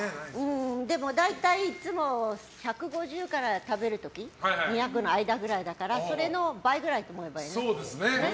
でも、大体いつも食べる時１５０から２００の間くらいだからそれの倍くらいと思えばいい。